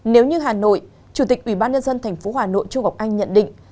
nếu như hà nội chủ tịch ủy ban nhân dân tp hà nội trung học anh nhận định